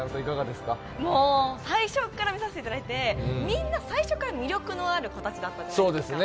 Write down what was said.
最初から見させていただいてみんな最初から魅力のある子たちだったじゃないですか。